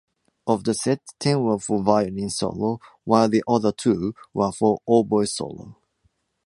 Of the set, ten were for violin solo, while the other two were for oboe solo.